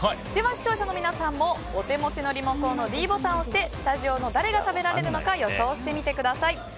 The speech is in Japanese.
視聴者の皆さんもお手持ちのリモコンのｄボタンを押してスタジオの誰が食べられるのか予想してみてください。